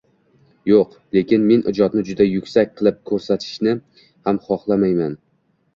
– Yo‘q. Lekin men ijodni juda yuksak qilib ko‘rsatishni ham xohlamayman.